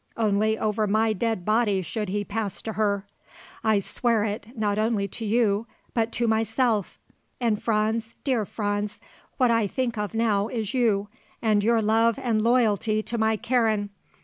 Only over my dead body should he pass to her. I swear it, not only to you, but to myself. And Franz, dear Franz, what I think of now is you, and your love and loyalty to my Karen.